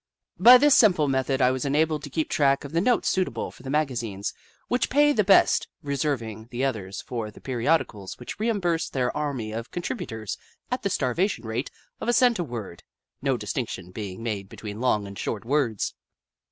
By this simple method I was enabled to keep track of the notes suitable for the magazines which pay the best, reserving the others for the periodicals which reimburse their army of contributors at the starvation rate of a cent a word, no distinction being made between long and short words.